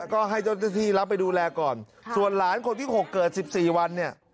ก็ให้เจ้าหน้าที่รับไปดูแลก่อนส่วนหลานคนที่๖เกิด๑๔วันเนี่ย